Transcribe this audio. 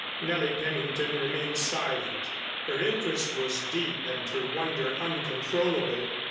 Nellie Pennington remained silent. Her interest was deep and her wonder uncontrollable.